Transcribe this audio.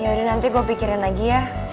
ya udah nanti gue pikirin lagi ya